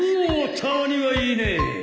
たまにはいいね